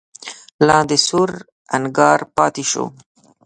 لاندې سور انګار پاتې شو.